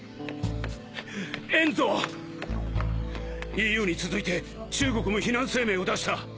ＥＵに続いて中国も非難声明を出した。